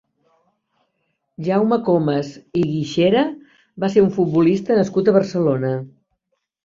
Jaume Comas i Guixera va ser un futbolista nascut a Barcelona.